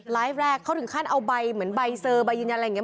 แรกเขาถึงขั้นเอาใบเหมือนใบเซอร์ใบยืนยันอะไรอย่างนี้